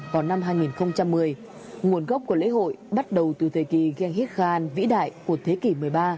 vào năm hai nghìn một mươi nguồn gốc của lễ hội bắt đầu từ thời kỳ gen hit khan vĩ đại của thế kỷ một mươi ba